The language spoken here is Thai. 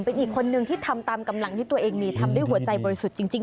เป็นอีกคนนึงที่ทำตามกำลังที่ตัวเองมีทำด้วยหัวใจบริสุทธิ์จริง